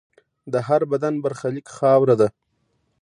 د هر بدن برخلیک خاوره ده.